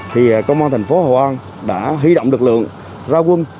thì công an thành phố hội an đã huy động lực lượng ra quân